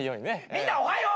みんなおはよう！